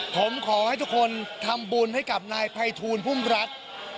ผมขอให้ทุกคนทำบุญให้กับนายภัยทูลพุ่มรัฐ